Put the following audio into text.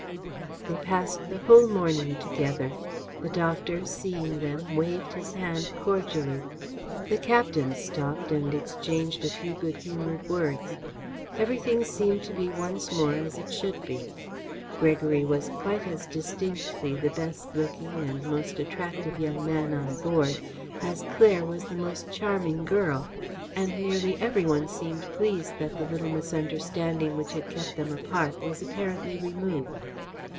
They passed the whole morning together. The doctor, seeing them, waved his hand cordially. The captain stopped and exchanged a few good humoured words. Everything seemed to be once more as it should be. Gregory was quite as distinctly the best looking and most attractive young man on board as Claire was the most charming girl, and nearly every one seemed pleased that the little misunderstanding which had kept them apart was apparently removed.